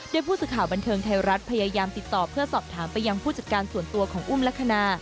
โดยผู้สื่อข่าวบันเทิงไทยรัฐพยายามติดต่อเพื่อสอบถามไปยังผู้จัดการส่วนตัวของอุ้มลักษณะ